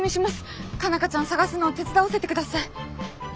佳奈花ちゃん捜すのを手伝わせて下さい。